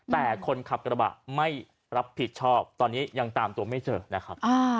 แต่คนขับกระบะไม่รับผิดชอบตอนนี้ยังตามตัวไม่เจอนะครับ